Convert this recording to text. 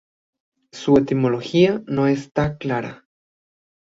Su etimología no está clara.